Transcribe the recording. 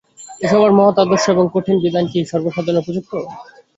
এ সভার মহৎ আদর্শ এবং কঠিন বিধান কি সর্বসাধারণের উপযুক্ত!